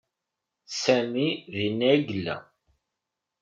Sami dinna i yella.